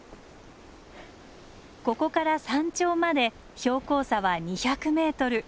ここから山頂まで標高差は２００ｍ。